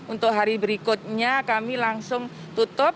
untuk hari berikutnya kami langsung tutup